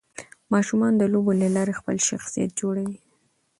ماشومان د لوبو له لارې خپل شخصيت جوړوي.